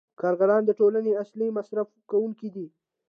کارګران د ټولنې اصلي مصرف کوونکي دي